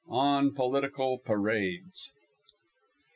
ON POLITICAL PARADES. Mr.